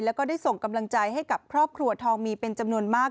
แล้วก็ได้ส่งกำลังใจให้กับครอบครัวทองมีเป็นจำนวนมาก